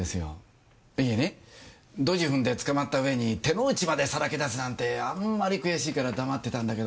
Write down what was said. いえねドジ踏んで捕まったうえに手の内までさらけ出すなんてあんまり悔しいから黙ってたんだけど。